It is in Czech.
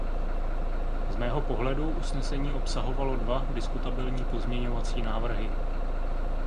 Z mého pohledu usnesení obsahovalo dva diskutabilní pozměňovací návrhy.